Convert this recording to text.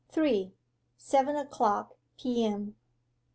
SEVEN O'CLOCK P.M.